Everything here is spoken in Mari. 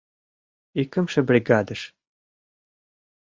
Икымше бригадыш.